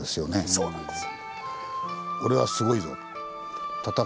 そうなんです。